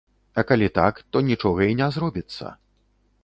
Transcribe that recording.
А калі так, то нічога і не зробіцца.